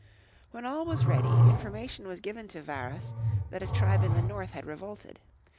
When all was ready, information was given to Varus that a tribe in the north had revolted.